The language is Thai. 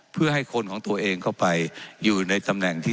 เจ้าหน้าที่ของรัฐมันก็เป็นผู้ใต้มิชชาท่านนมตรี